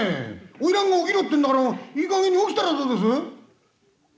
花魁が起きろってんだからいいかげんに起きたらどうです！」。